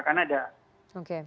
pemerintah kan ada